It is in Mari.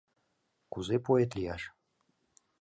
КУЗЕ ПОЭТ ЛИЯШ?